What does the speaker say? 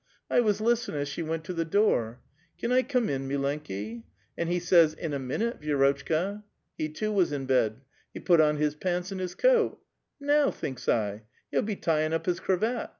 I was list'nin' as she went; to the door. 'Can I (M)uie in, mikukl?' And he says, 'In a minute, Vicf'rotelika.* lie too was in bed. He put on his pants and his coat. Now [/*"], thinks 1, he'll be tyin' up his cravat.